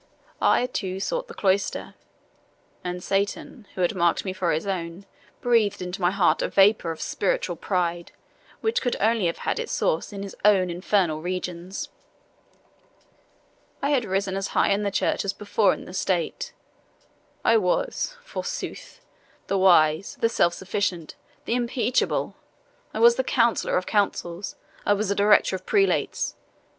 I too sought the cloister; and Satan, who had marked me for his own, breathed into my heart a vapour of spiritual pride, which could only have had its source in his own infernal regions. I had risen as high in the church as before in the state. I was, forsooth, the wise, the self sufficient, the impeccable! I was the counsellor of councils I was the director of prelates.